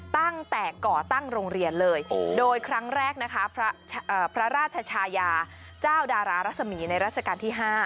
ตั้งแต่ก่อตั้งโรงเรียนเลยโดยครั้งแรกนะคะพระราชชายาเจ้าดารารัศมีในราชการที่๕